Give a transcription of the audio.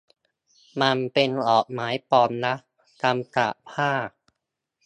มันเป็นดอกไม้ปลอมนะ ทำจากผ้า